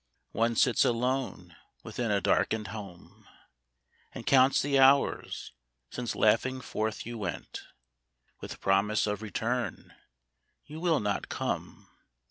One sits alone within a darkened home And counts the hours since laughing forth you went With promise of return ; you will not come.